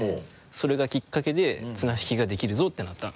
それがきっかけで綱引きができるぞってなった。